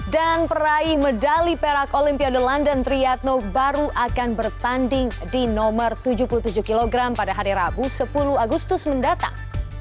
dan peraih medali perak olimpiade london triatno baru akan bertanding di nomor tujuh puluh tujuh kg pada hari rabu sepuluh agustus mendatang